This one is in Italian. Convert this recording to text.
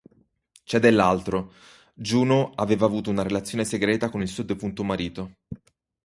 C'è dell'altro: Juno aveva avuto una relazione segreta con il suo defunto marito.